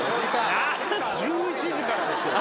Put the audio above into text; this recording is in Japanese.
１１時からですよ。